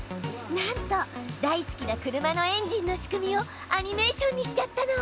なんと大好きな車のエンジンの仕組みをアニメーションにしちゃったの！